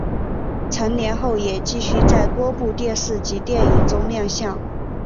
成年后也继续在多部电视及电影中亮相。